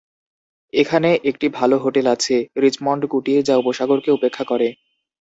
এখানে একটি ভাল হোটেল আছে, রিচমন্ড কুটির যা উপসাগরকে উপেক্ষা করে।